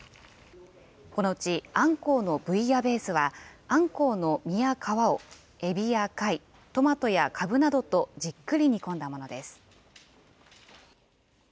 このうち、あんこうのブイヤベースは、あんこうの身や皮をえびや貝、トマトやかぶなどとじっくり煮込んだものです。